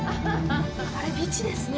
あれビーチですね。